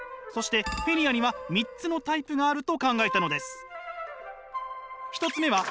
そしてフィリアには三つのタイプがあると考えたのです。